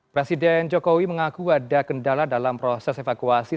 presiden jokowi mengaku ada kendala dalam proses evakuasi